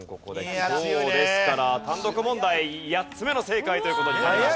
今日ですから単独問題８つ目の正解という事になりました。